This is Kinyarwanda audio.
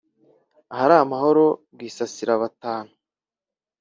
Ahari amahoro rwisasira batanu